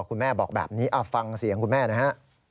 คุณแม่บอกแบบนี้ฟังเสียงคุณแม่หน่อยฮะ